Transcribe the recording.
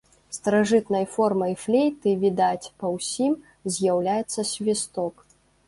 Старажытнай формай флейты, відаць па ўсім, з'яўляецца свісток.